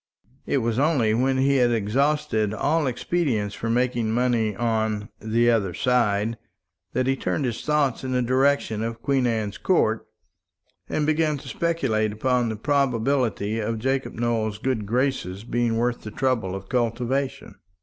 It was only when he had exhausted all expedients for making money on "the other side" that he turned his thoughts in the direction of Queen Anne's Court, and began to speculate upon the probability of Jacob Nowell's good graces being worth the trouble of cultivation.